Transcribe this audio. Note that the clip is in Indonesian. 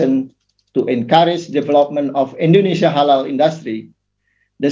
untuk mendorong pengembangan industri halal di indonesia